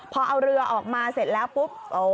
พอเอาเรือออกมาเสร็จแล้วปุ๊บ